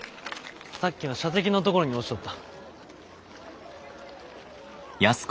さっきの射的の所に落ちとった。